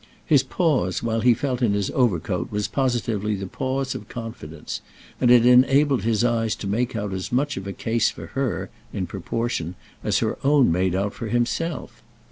His pause while he felt in his overcoat was positively the pause of confidence, and it enabled his eyes to make out as much of a case for her, in proportion, as her own made out for himself.